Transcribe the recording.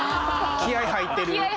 気合い入ってる。